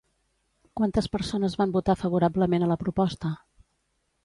Quantes persones van votar favorablement a la proposta?